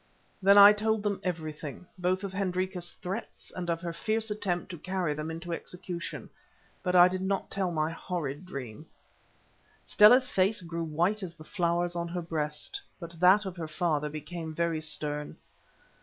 Then I told them everything, both of Hendrika's threats and of her fierce attempt to carry them into execution. But I did not tell my horrid dream. Stella's face grew white as the flowers on her breast, but that of her father became very stern.